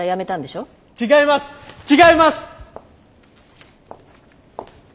違います違います！